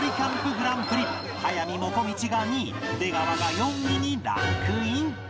グランプリ速水もこみちが２位出川が４位にランクイン